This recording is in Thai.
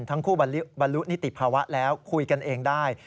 ทั้งคู่บรรลุนิติภาวะแล้วคุยกันเองได้